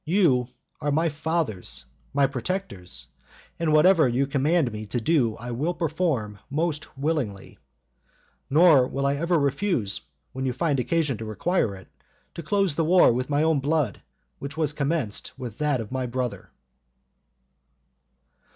You are my fathers, my protectors, and whatever you command me to do I will perform most willingly; nor will I ever refuse, when you find occasion to require it, to close the war with my own blood which was commenced with that of my brother."